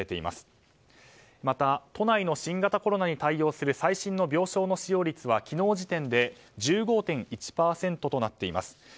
また都内の新型コロナに対応する最新の病床の使用率は昨日時点で１５．１％となっています。